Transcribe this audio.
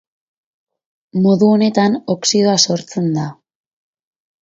Modu honetan oxidoa sortzen da.